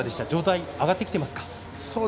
状態、上がってきていますか？